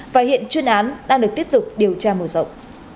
và hiện chuyên án đang được tiếp tục điều tra mở rộng